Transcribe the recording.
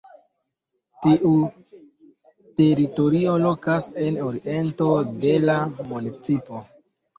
Tiu teritorio lokas en oriento de la municipo.